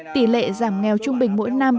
tỉ lệ giảm nghèo trung bình mỗi năm